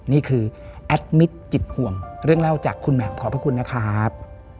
นี่คือแอดมิตรจิตห่วงเรื่องเล่าจากคุณแหม่มขอบพระคุณนะครับ